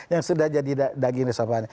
yang sudah jadi daging resapannya